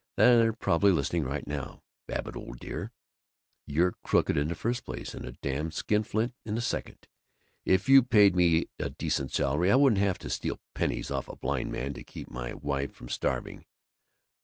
They're probably listening right now. Babbitt, old dear, you're crooked in the first place and a damn skinflint in the second. If you paid me a decent salary I wouldn't have to steal pennies off a blind man to keep my wife from starving.